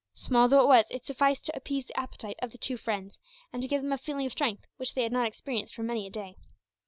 Small though it was, it sufficed to appease the appetite of the two friends, and to give them a feeling of strength which they had not experienced for many a day.